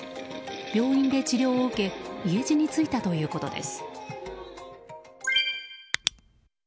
病院で治療を受け家路に着いたということです。